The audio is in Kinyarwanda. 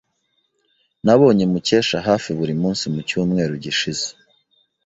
Nabonye Mukesha hafi buri munsi mucyumweru gishize.